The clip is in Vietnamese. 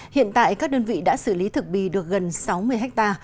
hiện tại các đơn vị đã xử lý thực bì được gần sáu mươi ha